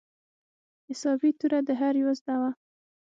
حسابي توره د هر يوه زده وه.